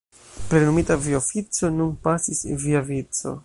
Plenumita via ofico, nun pasis via vico!